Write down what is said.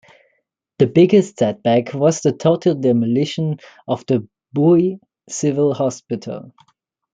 The biggest setback was the total demolition of the Bhuj Civil hospital.